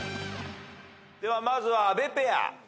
ではまずは阿部ペア。